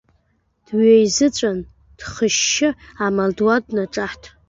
Дҩеизыҵәан, дхьышьшьы амардуан днаҿаҳт.